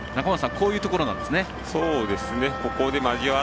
こういうところなんですね。